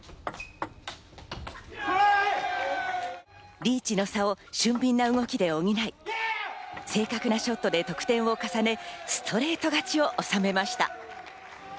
リーチの差を俊敏な動きで補い、正確なショットで得点を重ね、ストレート勝ちを収めました。